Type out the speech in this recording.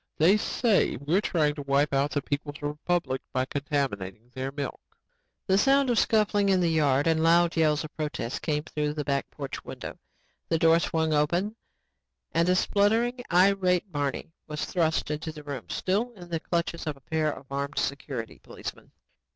They say we're trying to wipe out the People's Republic by contaminating their milk." The sound of scuffling in the yard and loud yells of protest came through the back porch window. The door swung open and a spluttering and irate Barney was thrust into the room, still in the clutches of a pair of armed security policemen.